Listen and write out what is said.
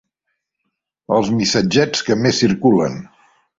Els missatgets que més circulen.